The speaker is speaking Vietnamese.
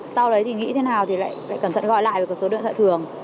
sau đấy thì nghĩ thế nào thì lại cẩn thận gọi lại về số điện thoại thường